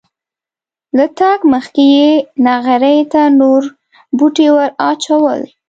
له تګه مخکې یې نغري ته نور بوټي ور واچول.